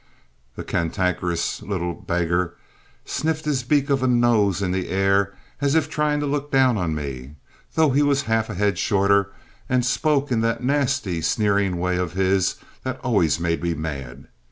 The cantankerous little beggar sniffed his beak of a nose in the air as if trying to look down on me, though he was half a head shorter, and spoke in that nasty sneering way of his that always made me mad.